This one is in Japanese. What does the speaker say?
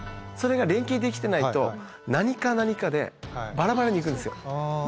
それが連携できていないと何課何課でバラバラに行くんですよ。